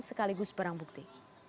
sekaligus barang bukti